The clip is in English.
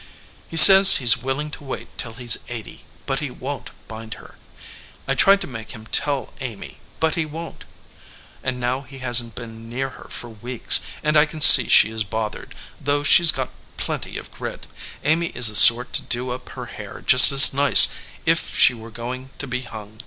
He says he s willing to wait till he s eighty, but he won t bind her. I tried to make him tell Amy, but he won t. And now he hasn t been near her for weeks, and I can see she is bothered, though she s got plenty of grit, Amy is the sort to do up her hair just as nice if she were going to be hung.